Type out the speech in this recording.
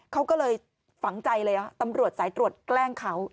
เขาก็เลยฝังใจเลยตำรวจสายตรวจแกล้งเขา